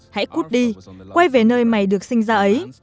hãy cút đi quay về nơi mày được sinh ra ấy